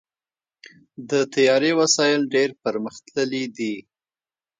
د طیارې وسایل ډېر پرمختللي دي.